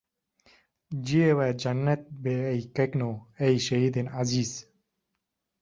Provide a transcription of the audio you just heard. ciyê we cennet be ey kekno, ey şehîdên ezîz.